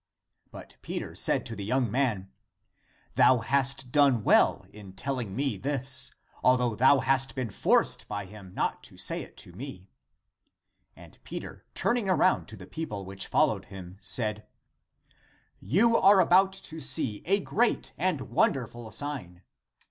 " But Peter said to the young man, " Thou hast done well in telling me this, al though thou hast been forced by him (not to say it to me)." And Peter, turning around to the people which followed him, said," You are about to see a great and wonderful sign."